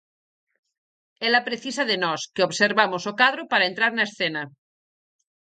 Ela precisa de nós, que observamos o cadro para entrar na escena.